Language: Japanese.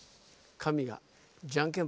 神が。